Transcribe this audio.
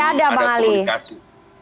ada pak ali